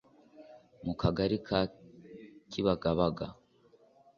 mu Kagali ka Kibagabaga